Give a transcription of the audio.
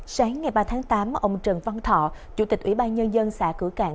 sáng ngày ba tháng tám ông trần văn thọ chủ tịch ủy ban nhân dân xã cửa cạn